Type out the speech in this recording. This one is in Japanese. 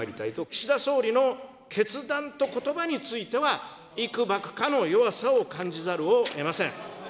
岸田総理の決断とことばについては、いくばくかの弱さを感じざるをえません。